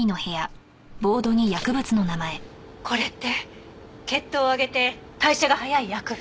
これって血糖を上げて代謝が早い薬物。